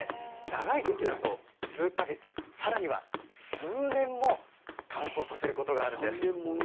長いときだと数か月さらには数年も乾燥させることがあるんです。